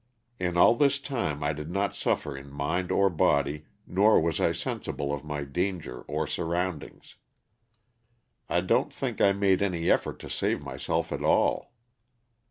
In all this time I did not suffer in mind or body nor was I sensible of my danger or surroundings. I don't think I made any effort to save myself at all.